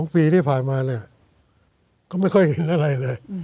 ๒ปีที่ผ่านมาเนี่ยก็ไม่ค่อยเห็นอะไรเลย